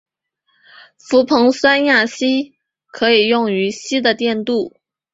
氟硼酸亚锡可以用于锡的电镀。